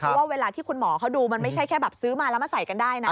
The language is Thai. เพราะว่าเวลาที่คุณหมอเขาดูมันไม่ใช่แค่แบบซื้อมาแล้วมาใส่กันได้นะ